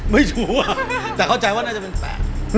ไม่ชัวร์แต่เข้าใจว่าน่าจะเป็น๘